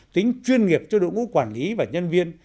tính chuyên nghiệp cho đội ngũ quản lý và nhân viên